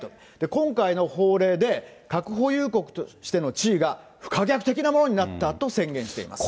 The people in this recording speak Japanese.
今回の法令で、核保有国としての地位が不可逆的なものになったと宣言しています。